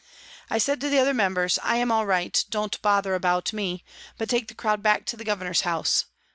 I said to the other members :" I am all right, don't bother about me, but take the crowd back to the Governor's house."